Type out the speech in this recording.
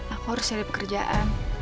aku harus cari pekerjaan